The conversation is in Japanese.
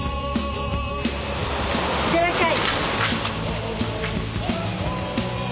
いってらっしゃい。